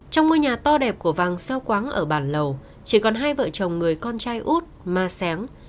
trong ngôi nhà to đẹp của vàng xeo quãng ở bản lầu chỉ còn hai vợ chồng người con trai út ma sáng